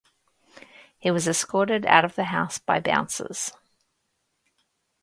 He was escorted out of the house by bouncers.